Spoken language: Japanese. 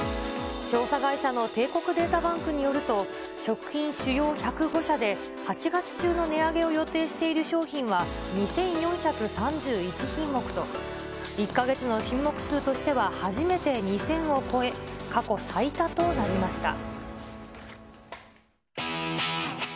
調査会社の帝国データバンクによると、しょくひんしゅよう１０５社で８月中の値上げを予定している商品は、２４３１品目と、１か月の品目数としては初めて２０００を超え、過去最多となりました。